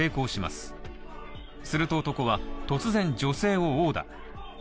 すると男は突然、女性を殴打。